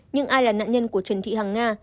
nhưng ai là nạn nhân của trần thị hàng nga